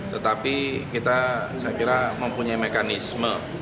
tetapi kita saya kira mempunyai mekanisme